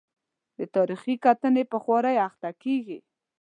د تاریخي کتنې په خوارۍ اخته کېږي.